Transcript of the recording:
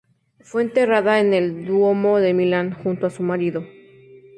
Fue enterrada en el Duomo de Milán, junto a su marido.